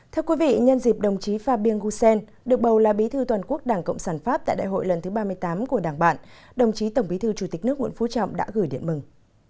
thưa quý vị nhân dịp đồng chí fabien gussen được bầu là bí thư toàn quốc đảng cộng sản pháp tại đại hội lần thứ ba mươi tám của đảng bạn đồng chí tổng bí thư chủ tịch nước nguyễn phú trọng đã gửi điện mừng